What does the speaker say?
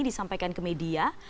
disampaikan ke media